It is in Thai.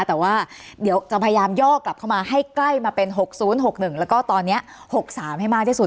แต่ว่าเดี๋ยวจะพยายามย่อกลับเข้ามาให้ใกล้มาเป็น๖๐๖๑แล้วก็ตอนนี้๖๓ให้มากที่สุด